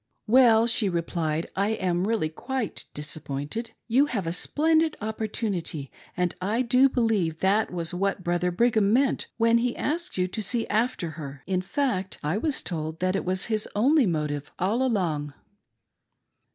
" Well," she replied, " I am really quite disappointed. You have a splendid opportunity, and I do believe that that was what Brother Brigham meant when he asked you to see after her. In fact, I was told that it was his only motive, all along."